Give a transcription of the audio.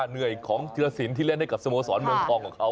เหนื่อยของธิรสินที่เล่นให้กับสโมสรเมืองทองของเขา